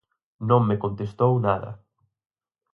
Non me contestou nada.